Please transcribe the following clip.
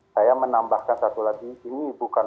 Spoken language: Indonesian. saya menambahkan satu lagi ini bukan